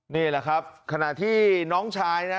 นี่แหละครับขณะที่น้องชายนะ